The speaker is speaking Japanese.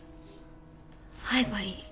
会えばいい。